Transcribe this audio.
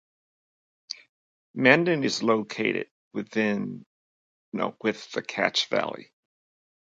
Mendon is located within the Cache Valley.